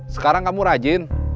sekarang kamu rajin